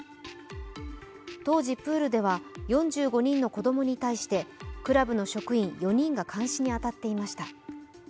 当時、プールでは４５人の子供に対してクラブの職員４人が監視に当たっていました。